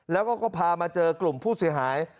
แล้วก็พามาเจอกลุ่มผู้เสียหาย